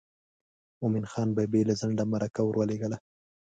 مومن خان بې له ځنډه مرکه ور ولېږله.